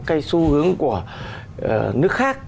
cái xu hướng của nước khác